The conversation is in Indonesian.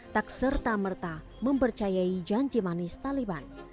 tak serta merta mempercayai janji manis taliban